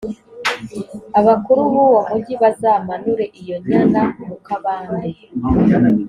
abakuru b’uwo mugi bazamanure iyo nyana mu kabande